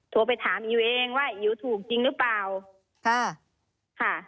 โทรไปถามอิ๋วเองว่าอิ๋วถูกจริงหรือเปล่าค่ะค่ะ